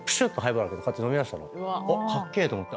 かっけえと思って。